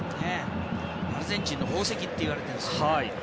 アルゼンチンの宝石っていわれてるんですよね。